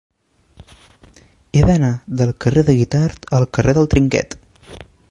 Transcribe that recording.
He d'anar del carrer de Guitard al carrer del Trinquet.